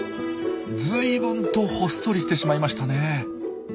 ずいぶんとほっそりしてしまいましたね。